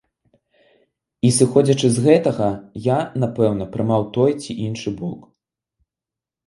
І сыходзячы з гэтага я, напэўна, прымаў той ці іншы бок.